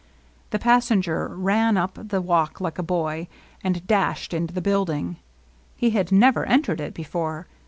The passenger ran up the walk like a boy, and dashed into the building. He had never entered it before.